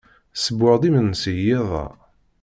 Ssewweɣ-d imensi i yiḍ-a.